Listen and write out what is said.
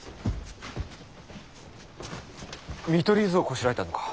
見取り図をこしらえたのか。